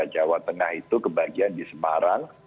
jawa tengah itu kebagian di semarang